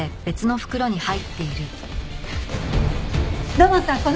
土門さん